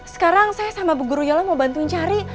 sekarang saya sama bu guru yola mau bantuin cari